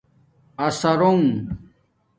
اَثرݸنݣ